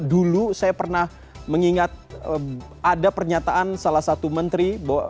dulu saya pernah mengingat ada pernyataan salah satu menteri